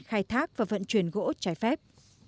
khai thác và vận chuyển gỗ trái phép